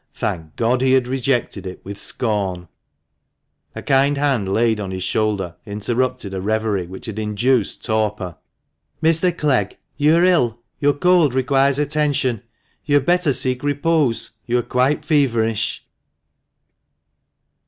Thank God he had rejected it with scorn ! A kind hand laid on his shoulder interrupted a reverie which had induced torpor* THE MANCHESTER MAN. 285 "Mr. Clegg, you are ill— your cold requires attention. You had better seek repose : you are quite feverish."